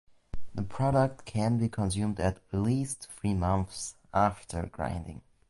The product can be consumed at least three months after grinding.